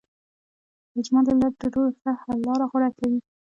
د اجماع له لارې تر ټولو ښه حل لاره غوره کوي.